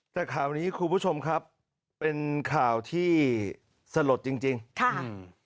แต่ข่าวนี้ครูผู้ชมครับเป็นข่าวที่สะหรดจริง